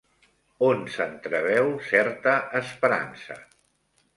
On s'entreveu certa esperança?